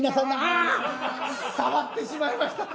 あっ触ってしまいました。